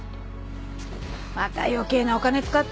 また余計なお金使って。